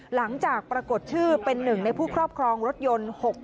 หลังจากปรากฏชื่อเป็นหนึ่งในผู้ครอบครองรถยนต์๖๖